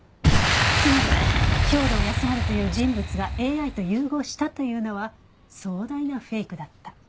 つまり兵働耕春という人物がＡＩと融合したというのは壮大なフェイクだった。